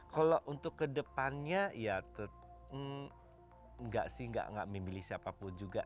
kalau untuk kedepannya ya tetap sih nggak memilih siapapun juga